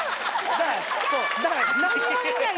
だから何も見ない。